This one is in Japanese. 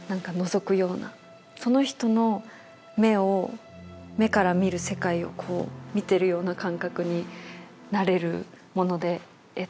その人の目から見る世界を見てるような感覚になれるもので絵っていうのは。